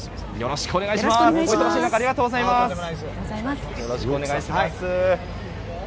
よろしくお願いします。